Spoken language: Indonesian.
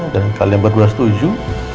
dan kalian berdua setuju